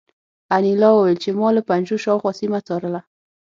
انیلا وویل چې ما له پنجرو شاوخوا سیمه څارله